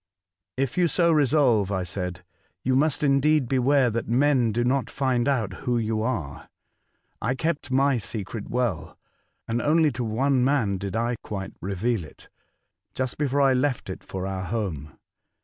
"If you so resolve," I said, "you must indeed beware that men do not find out who Return, 195 you are. I kept my secret well, and only to one man did I quite reveal it, just before I left it for our home.